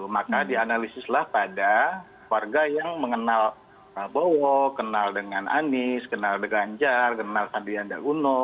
maka dianalisislah pada warga yang mengenal prabowo kenal dengan anies kenal dengan ganjar kenal sandianda uno